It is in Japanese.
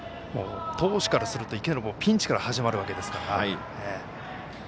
投手からするとピンチから始まるわけですから。